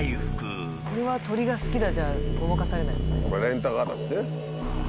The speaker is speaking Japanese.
これは鳥が好きだじゃごまかされないですね。